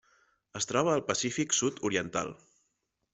Es troba al Pacífic sud-oriental.